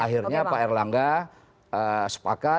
akhirnya pak erlangga sepakat